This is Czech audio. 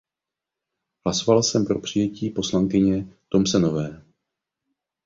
Hlasoval jsem pro přijetí zprávy poslankyně Thomsenové.